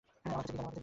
আমার কাছে কী চান?